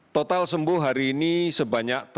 total sembuh hari ini sebanyak delapan persen